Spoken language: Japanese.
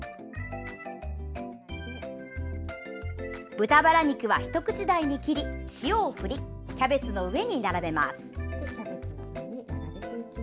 豚バラ肉は一口大に切り塩を振りキャベツの上に並べます。